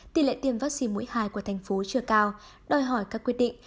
tỷ lệ tiêm vaccine mũi hai của thành phố chưa cao đòi hỏi các quyết định